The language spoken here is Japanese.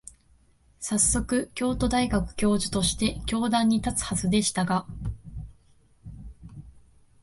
さっそく、京都大学教授として教壇に立つはずでしたが、